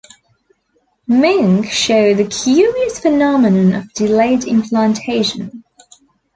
Mink show the curious phenomenon of delayed implantation.